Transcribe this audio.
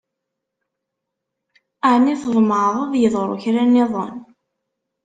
Ɛni tḍemɛed ad yeḍru kra niḍen?